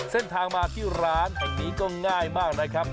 เส้นทางมาที่ร้านแห่งนี้ก็ง่ายมากนะครับ